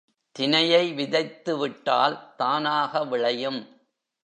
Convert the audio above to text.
தினையை விதைத்துவிட்டால் தானாக விளையும்.